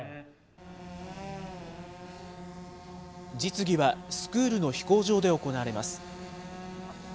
実技はスクールの飛行場で行われます。